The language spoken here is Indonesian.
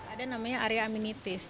ada namanya area amenitis